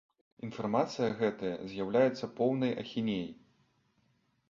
Інфармацыя гэтая з'яўляецца поўнай ахінеяй.